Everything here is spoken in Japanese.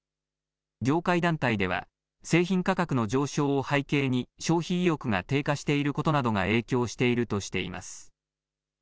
業界団体では製品価格の上昇を背景に消費意欲が低下していることなどが影響しているとしています。